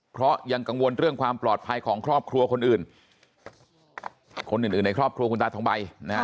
เพราะยังกังวลเรื่องความปลอดภัยของครอบครัวคนอื่นคนอื่นในครอบครัวคุณตาทองใบนะฮะ